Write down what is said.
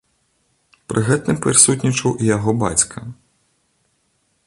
Пры гэтым прысутнічаў і яго бацька.